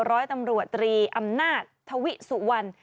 ร้อยตำรวจตรีอำนาจทวิสุวรรณ